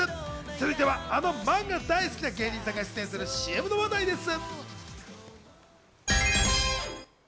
続いては、あのマンガが大好きな芸人さんが出演するＣＭの話題です。